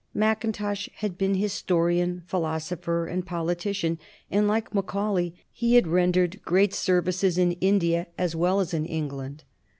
Mackintosh had been historian, philosopher, and politician, and, like Macaulay, he had rendered great services in India as well as in England.